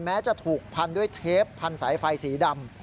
แม้จะถูกพันด้วยเทปพันสายไฟสีดำ